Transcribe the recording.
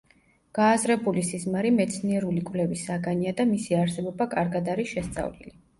გააზრებული სიზმარი მეცნიერული კვლევის საგანია და მისი არსებობა კარგად არის შესწავლილი.